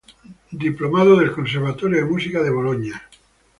Diplomado del Conservatorio de Música de Boloña.